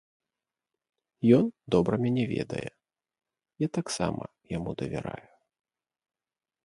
Ён добра мяне ведае, я таксама яму давяраю.